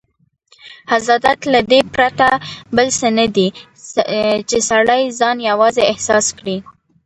حسادت له دې پرته بل څه نه دی، چې سړی ځان یوازې احساس کړي.